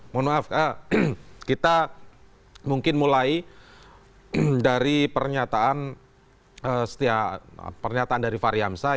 mohon maaf pak kita mungkin mulai dari pernyataan dari fahri hamzah